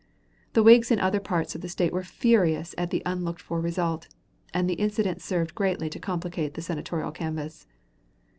The Whigs in other parts of the State were furious at the unlooked for result, and the incident served greatly to complicate the senatorial canvass.